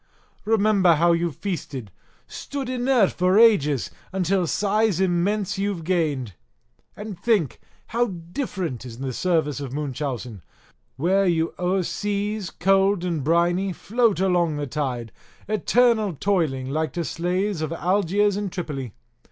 Remember how you've feasted, stood inert for ages, until size immense you've gained. And think, how different is the service of Munchausen, where you o'er seas, cold, briny, float along the tide, eternal toiling like to slaves of Algiers and Tripoli.